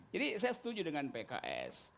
jadi saya setuju dengan pks